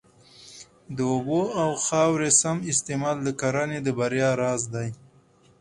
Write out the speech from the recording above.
د اوبو او خاورې سم استعمال د کرنې د بریا راز دی.